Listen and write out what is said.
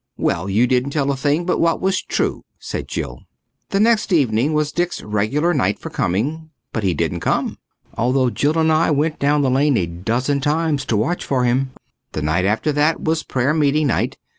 "Well, you didn't tell a thing but what was true," said Jill. The next evening was Dick's regular night for coming, but he didn't come, although Jill and I went down the lane a dozen times to watch for him. The night after that was prayer meeting night.